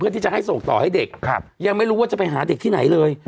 ที่จะให้ส่งต่อให้เด็กยังไม่รู้ว่าจะไปหาเด็กที่ไหนเลย